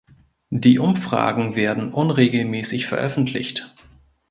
Die Umfragen werden unregelmäßig veröffentlicht.